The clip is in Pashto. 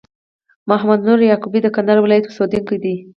محمد نور یعقوبی د کندهار ولایت اوسېدونکی دي